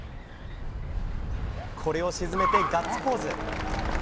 これを沈めて、ガッツポーズ。